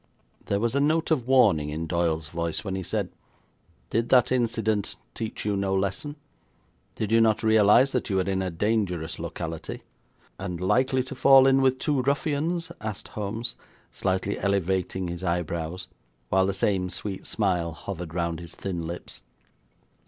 There was a note of warning in Doyle's voice when he said: 'Did that incident teach you no lesson? Did you not realise that you are in a dangerous locality?' 'And likely to fall in with two ruffians?' asked Holmes, slightly elevating his eyebrows, while the same sweet smile hovered round his thin lips.